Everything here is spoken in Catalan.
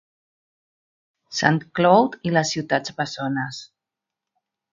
St. Cloud i les Ciutats Bessones.